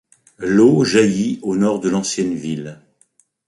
L'eau jaillit au nord de l'ancienne ville.